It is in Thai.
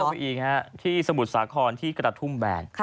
เข้าไปอีกนะครับที่สมุทรสาครที่กระดับทุ่มแบน